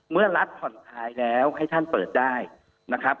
เมื่อรัฐผ่อนคลายแล้วให้ท่านเปิดได้นะครับ